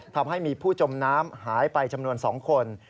ทำให้มีผู้จมน้ำหายไปจำนวน๒คน